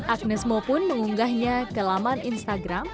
agnes mo pun mengunggahnya kelaman instagram